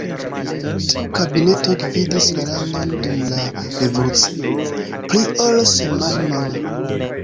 Tiu kabineto gvidis la landon dum la revolucio pli ol semajnon.